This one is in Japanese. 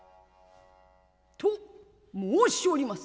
「と申しおります」。